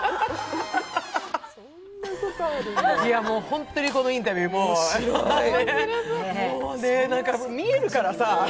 本当にインタビュー、もうね、見えるからさ。